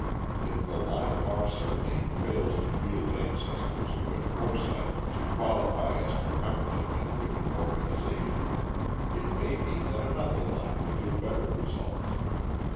If the line of our surname fails to yield ancestors who had the foresight to qualify us for membership in a given organization, it may be that another line will give better results.